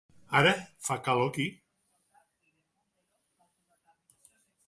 Ara fa calor aquí?